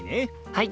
はい！